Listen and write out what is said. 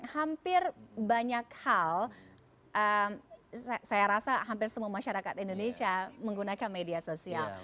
hampir banyak hal saya rasa hampir semua masyarakat indonesia menggunakan media sosial